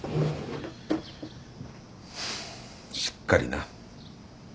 しっかりな。